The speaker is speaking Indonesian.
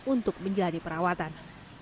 untuk menjalani perawatan